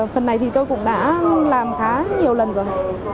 phần này thì tôi cũng đã làm khá nhiều lần rồi